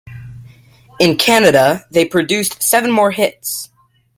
In Canada they produced seven more hits.